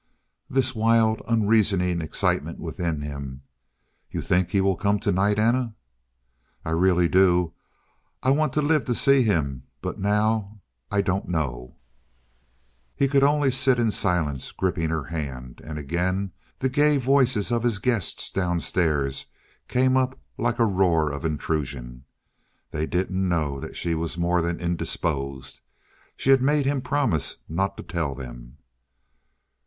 This wild, unreasoning excitement within him...! "You think he will come tonight, Anna?" "I really do. I want to live to see him. But now I don't know " He could only sit in silence, gripping her hand. And again the gay voices of his guests downstairs came up like a roar of intrusion. They didn't know that she was more than indisposed. She had made him promise not to tell them.